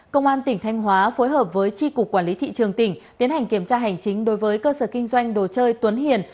công an tỉnh thanh hóa phối hợp với tri cục quản lý thị trường tỉnh tiến hành kiểm tra hành chính đối với cơ sở kinh doanh đồ chơi tuấn hiền